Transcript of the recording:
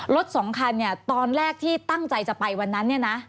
สองคันเนี่ยตอนแรกที่ตั้งใจจะไปวันนั้นเนี่ยนะ